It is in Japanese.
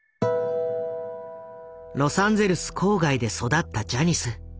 ロサンゼルス郊外で育ったジャニス。